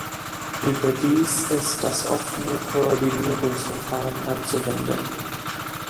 Überdies ist das offene Koordinierungsverfahren anzuwenden.